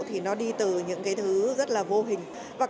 thì nó đi từ những cái thứ rất là vô hình